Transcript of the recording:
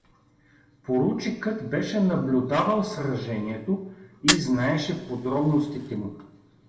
Поручикът беше наблюдавал сражението и знаеше подробностите му.